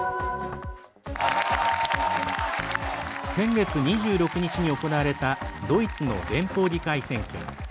先月２６日に行われたドイツの連邦議会選挙。